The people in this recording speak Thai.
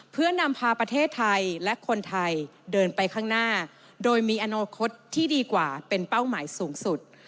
เพื่อนำพาประเทศไทยและคนไทยเดินไปข้างหน้าโดยมีอนาคตที่ดีกว่าเป็นเป้าหมายสูงสุด